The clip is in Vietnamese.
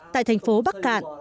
tại thành phố bắc cạn